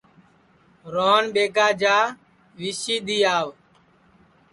روہن ٻیگا جا وی سی دؔی آو